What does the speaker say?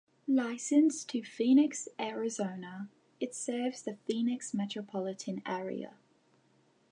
Licensed to Phoenix, Arizona, it serves the Phoenix metropolitan area.